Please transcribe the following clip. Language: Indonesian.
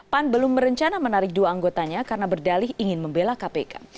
pan belum berencana menarik dua anggotanya karena berdalih ingin membela kpk